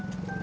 oh ini dia